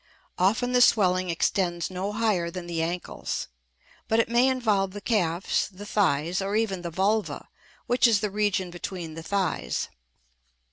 Often the swelling extends no higher than the ankles, but it may involve the calves, the thighs, or even the vulva, which is the region between the thighs.